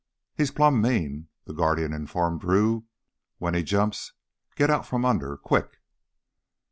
"He's plumb mean," the guardian informed Drew. "When he jumps, get out from under quick!"